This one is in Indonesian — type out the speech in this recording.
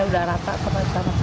sudah rata sama sama